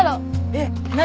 えっ何？